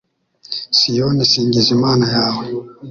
Siyoni singiza Imana yawe